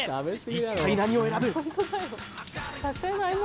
一体何を選ぶ？